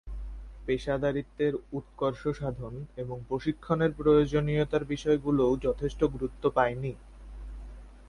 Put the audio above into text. পেশাদারিত্বের উৎকর্ষ সাধন এবং প্রশিক্ষণের প্রয়োজনীয়তার বিষয়গুলোও যথেষ্ট গুরুত্ব পায় নি।